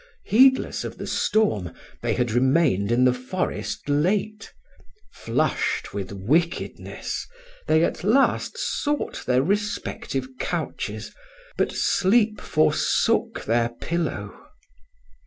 Heedless of the storm, they had remained in the forest late. Flushed with wickedness, they at last sought their respective couches, but sleep forsook their pillow.